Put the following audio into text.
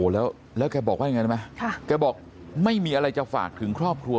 แล้วแกบอกว่ายังไงรู้ไหมแกบอกไม่มีอะไรจะฝากถึงครอบครัว